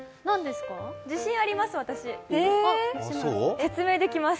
自信あります、私。